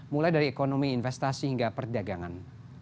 mulai dari ekonomi investasi hingga perdagangan